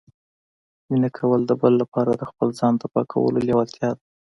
مینه کول د بل لپاره د خپل ځان تباه کولو لیوالتیا ده